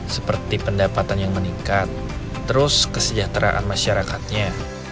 seperti pendapatan yang meningkat terus kesejahteraan masyarakatnya